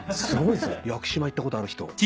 屋久島行ったことある人？